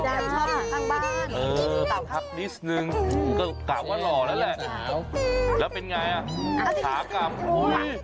ชอบคล่างบ้านอย่างนี้นึงก็กลับว่ารอแล้วแหละแล้วเป็นไงอ่ะสากรามอุ้ย